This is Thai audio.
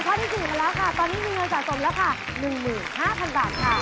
ข้อที่๔มาแล้วค่ะตอนนี้มีเงินสะสมแล้วค่ะ๑๕๐๐๐บาทค่ะ